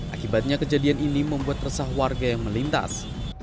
akibatnya kejadian ini membuat resah warga yang melintas